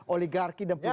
oligarki dan plutokrasi